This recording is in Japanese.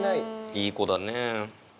いい子だね。